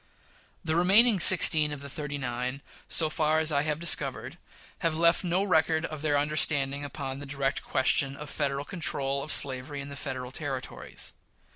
The remaining sixteen of the "thirty nine," so far as I have discovered, have left no record of their understanding upon the direct question of Federal control on slavery in the Federal Territories.